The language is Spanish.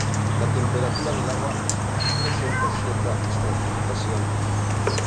La temperatura del agua presenta cierta estratificación.